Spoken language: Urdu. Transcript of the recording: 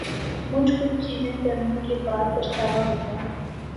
مچھ کچھ چیزیں کرنے کے بعد پچھتاوا ہوتا ہے